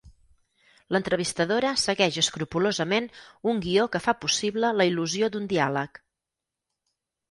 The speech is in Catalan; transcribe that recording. L'entrevistadora segueix escrupolosament un guió que fa possible la il·lusió d'un diàleg.